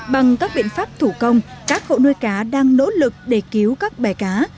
bằng các biện pháp thủ công các hộ nuôi cá đang nỗ lực để cứu các bè cá